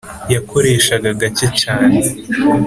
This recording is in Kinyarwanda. yakoreshaga gake cyane